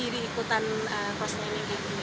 di ikutan crosslaning kayak gini